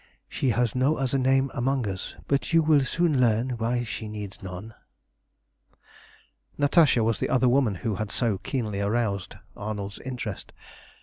She has no other name among us, but you will soon learn why she needs none." Natasha was the other woman who had so keenly roused Arnold's interest.